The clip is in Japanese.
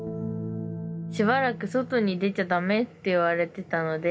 しばらく外に出ちゃ駄目って言われてたので。